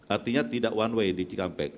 artinya tidak one way di cikampek